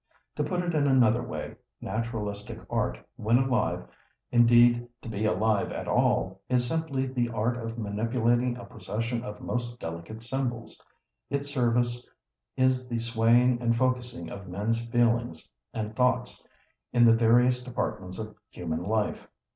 To put it another way, naturalistic art, when alive, indeed to be alive at all, is simply the art of manipulating a procession of most delicate symbols. Its service is the swaying and focussing of men's feelings and thoughts in the various departments of human life.